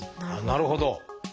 なるほど！